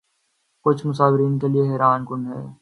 کچھ مبصرین کے لئے حیران کن ہے